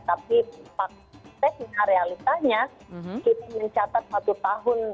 tapi faktanya realitanya kita mencatat satu tahun